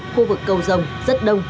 khu vực cầu rồng rất đông